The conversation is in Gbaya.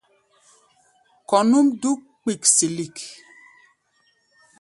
Kɔ̧ núʼm dúk kpiksilik.